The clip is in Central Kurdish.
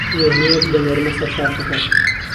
وێنەیەک دەنێرمه سەر شاشەکەت